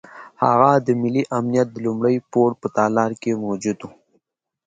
هغه د ملي امنیت د لومړي پوړ په تالار کې موجود وو.